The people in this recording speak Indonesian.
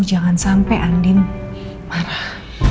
jangan sampai andien marah